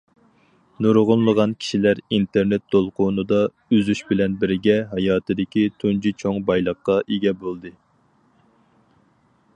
نۇرغۇنلىغان كىشىلەر ئىنتېرنېت دولقۇنىدا ئۈزۈش بىلەن بىرگە، ھاياتىدىكى تۇنجى چوڭ بايلىققا ئىگە بولدى.